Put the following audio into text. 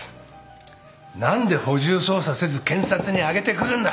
何で補充捜査せず検察にあげてくるんだ！